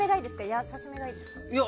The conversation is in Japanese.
優しめがいいですか？